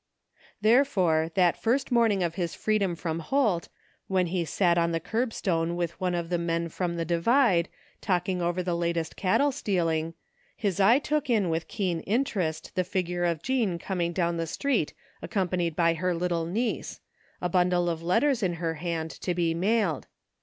Therefore, that first morning of his freedom from Holt, when he sat on the curbstone with one of the men from the Divide, talking over the latest cattle stealing, his eye took in with keen interest the figure of Jean coming down the street accompanied by her little niece, a bundle of letters in her hand to be mailed.